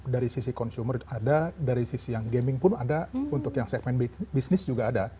dari sisi consumer ada dari sisi yang gaming pun ada untuk yang segmen bisnis juga ada